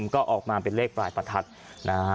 ก็ออกมาเป็นเลขปลายประทัดนะฮะ